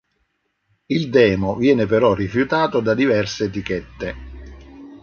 Il demo viene però rifiutato da diverse etichette.